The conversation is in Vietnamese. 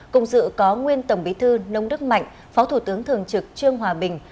cùng dự có nguyên tổng bí thư nông đức mạnh phó thủ tướng thường trực trương hòa bình